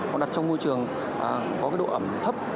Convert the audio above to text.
hoặc đặt trong môi trường có độ ẩm thấp